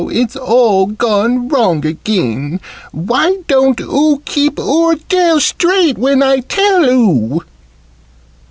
It's all gone wrong again! Why don't oo keep oor tail straight when I tell oo!"